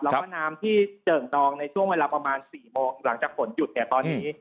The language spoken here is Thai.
แล้วก็น้ำที่เจิ่งดองในช่วงเวลาประมาณ๔โมงหลังจากฝนหยุดเนี่ยตอนนี้